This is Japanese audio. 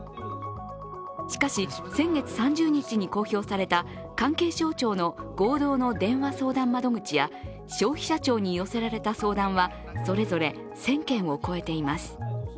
しかし、先月３０日に公表された関係省庁の合同の電話相談窓口や消費者庁に寄せられた相談はそれぞれ１０００件を超えています。